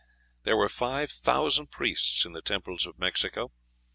There were five thousand priests in the temples of Mexico.